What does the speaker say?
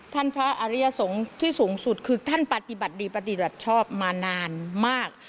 พระอริยสงฆ์ที่สูงสุดคือท่านปฏิบัติดีปฏิบัติชอบมานานมาก